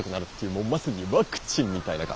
もうまさにワクチンみたいな蚊。